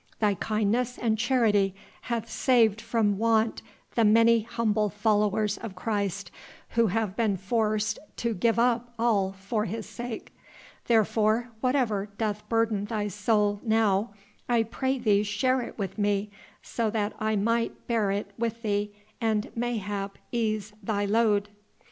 Thy kindness and charity hath saved from want the many humble followers of Christ who have been forced to give up all for His sake. Therefore whatever doth burden thy soul now, I pray thee share it with me, so that I might bear it with thee and mayhap ease thy load."